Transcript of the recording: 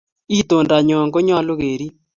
Itondanyo konyolu keriib.